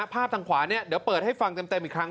ภาพทางขวาเนี่ยเดี๋ยวเปิดให้ฟังเต็มอีกครั้ง